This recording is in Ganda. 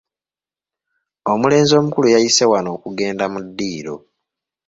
Omulenzi omukulu yayise wano okugenda mu ddiiro.